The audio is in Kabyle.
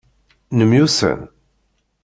Nemyussan?